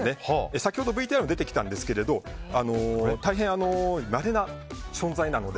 先ほどＶＴＲにも出てきたんですが大変まれな存在なので